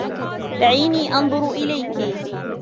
دعيني أنظر إليكِ.